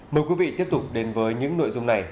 mời quý vị tiếp tục đến với những nội dung này